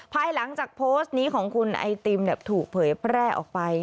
ภายหลังจากโพสต์นี้ของคุณไอติมถูกเผยแพร่ออกไป